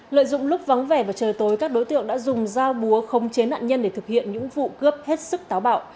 lợi dụng lúc vắng vẻ và trời tối các đối tượng đã dùng dao búa không chế nạn nhân để thực hiện những vụ cướp hết sức táo bạo